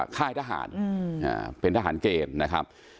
ค่ายทหารเป็นทหารเกณฑ์นะครับ